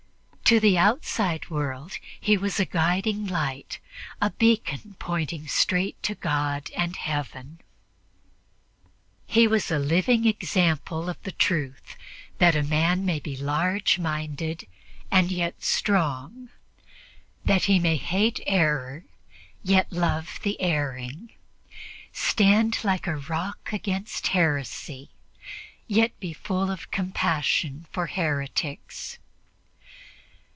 To the outside world he was a guiding light, a beacon pointing straight to God and Heaven. He was a living example of the truth that a man may be large minded and yet strong; that he may hate error, yet love the erring stand like a rock against heresy, yet be full of compassion for heretics.